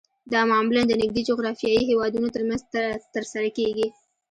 دا معمولاً د نږدې جغرافیایي هیوادونو ترمنځ ترسره کیږي